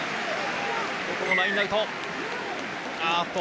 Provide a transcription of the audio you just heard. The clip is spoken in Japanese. ここもラインアウト。